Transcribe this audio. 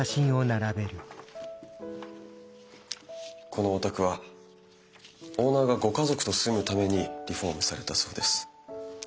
このお宅はオーナーがご家族と住むためにリフォームされたそうです。